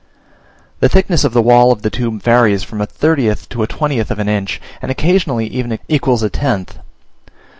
The thickness of the wall of the tube varies from a thirtieth to a twentieth of an inch, and occasionally even equals a tenth.